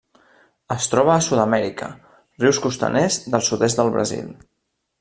Es troba a Sud-amèrica: rius costaners del sud-est del Brasil.